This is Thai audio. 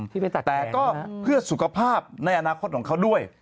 ไปตัดแต่ก็เพื่อสุขภาพในอนาคตของเขาด้วย